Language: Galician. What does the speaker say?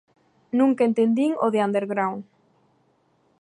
Nunca entendín o de underground.